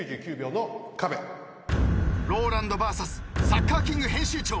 ＲＯＬＡＮＤＶＳ『サッカーキング』編集長。